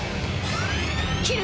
斬る！